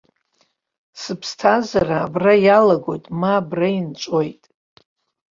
Сыԥсҭазаара абра иалагоит, ма абра инҵәоит!